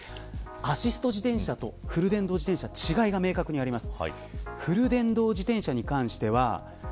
アシスト自転車とフル電動自転車の違いが明確にあります。